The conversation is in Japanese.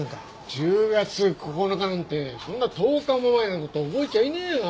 １０月９日なんてそんな１０日も前の事覚えちゃいねえよ。